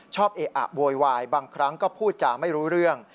เอะอะโวยวายบางครั้งก็พูดจาไม่รู้เรื่อง